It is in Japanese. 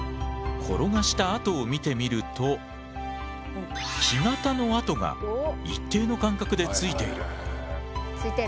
転がした跡を見てみると木型の跡が一定の間隔でついている。